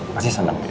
pasti seneng dia